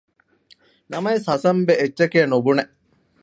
ނަމަވެސް ހަސަންބެ އެއްޗެކޭނުބުނެ